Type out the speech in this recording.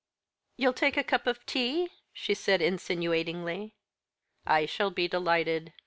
"You'll take a cup of tea?" she said insinuatingly. "I shall be delighted.